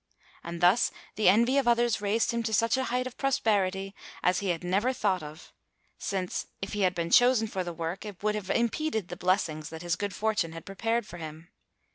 And thus the envy of others raised him to such a height of prosperity as he had never thought of; since, if he had been chosen for the work, it would have impeded the blessings that his good fortune had prepared for him.